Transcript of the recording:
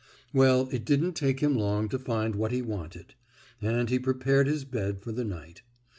Well, it didn't take him long to find what he wanted, and he prepared his bed for the night.